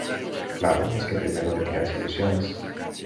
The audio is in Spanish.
claro, es que primero le creas ilusiones